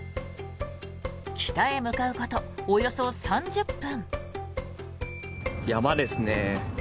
北へ向かうことおよそ３０分。